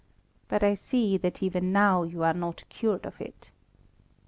But I see that even now you are not cured of it.